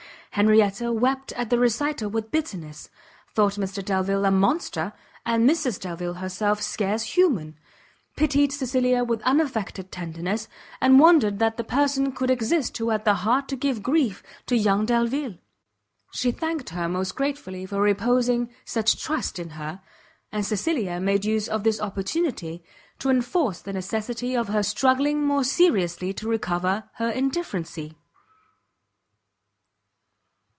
Henrietta wept at the recital with bitterness, thought Mr Delvile a monster, and Mrs Delvile herself scarce human; pitied Cecilia with unaffected tenderness, and wondered that the person could exist who had the heart to give grief to young Delvile! She thanked her most gratefully for reposing such trust in her; and Cecilia made use of this opportunity, to enforce the necessity of her struggling more seriously to recover her indifferency.